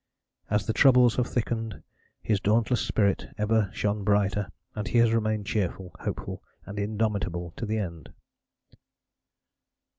As the troubles have thickened his dauntless spirit ever shone brighter and he has remained cheerful, hopeful and indomitable to the end....